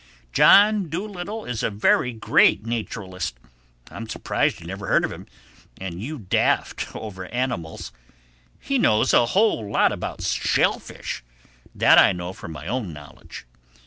John Dolittle is a very great nacheralist. I'm surprised you never heard of him—and you daft over animals. He knows a whole lot about shellfish—that I know from my own knowledge.